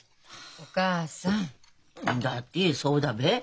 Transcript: お母さん！だってそうだべえ。